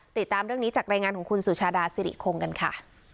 ติดตามเรื่องนี้จากรายงานของคุณสุชาดาสิริคงกันค่ะ